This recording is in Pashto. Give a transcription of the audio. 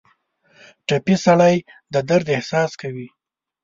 ټپي سړی د درد احساس کوي.